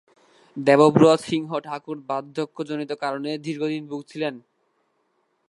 দেবব্রত সিংহ ঠাকুর বার্ধক্যজনিত কারণে দীর্ঘদিন ভুগছিলেন।